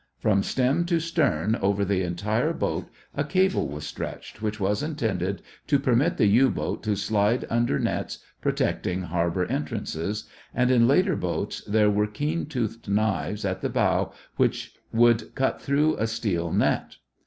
From stem to stern over the entire boat a cable was stretched which was intended to permit the U boat to slide under nets protecting harbor entrances, and in later boats there were keen toothed knives at the bow which would cut through a steel net.